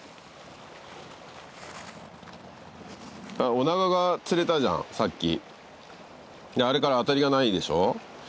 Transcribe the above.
オナガが釣れたじゃんさっきであれからアタリがないでしょ？